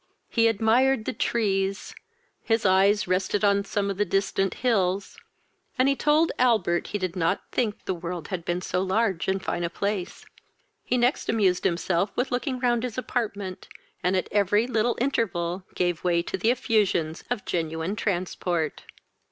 He admired the trees; his eyes rested on some of the distant hills, and he told Albert he did not think the world had been so large and fine a place. He next amused himself with looking round his apartment, and at every little interval gave way to the effusions of genuine transport.